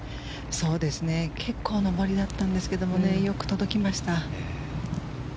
結構上りだったんですけどよく届きました。